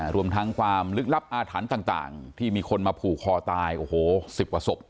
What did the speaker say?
รวมทั้งความลึกลับอาถรรพ์ต่างที่มีคนมาผูกคอตายโอ้โห๑๐กว่าศพ